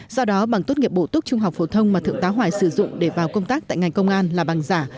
do đó bằng tốt nghiệp bổ túc trung học phổ thông mà thượng tá hoài sử dụng để vào công tác tại ngành công an là bằng giả